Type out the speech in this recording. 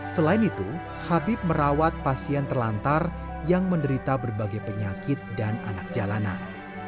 selain itu habib merawat pasien terlantar yang menderita berbagai penyakit dan anak jalanan